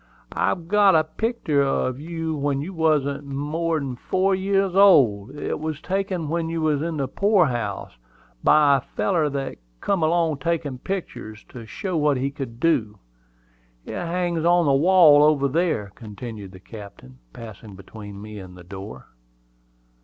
"I've got a picter of you when you wasn't more'n four year old. It was taken when you was in the poor house, by a feller that come along taking picters, to show what he could do. It hangs on the wall over here," continued the captain, passing between me and the door.